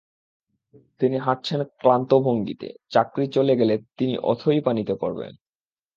তিনি হাঁটছেন ক্লান্ত ভঙ্গিতে চাকরি চলে গেলে তিনি অথই পানিতে পড়বেন।